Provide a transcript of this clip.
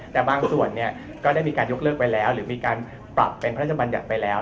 แต่บางส่วนก็ได้มีการยกเลิกไปแล้วหรือมีการปรับเป็นพระราชบัญญัติไปแล้ว